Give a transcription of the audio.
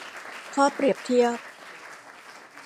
ข้อเปรียบเทียบ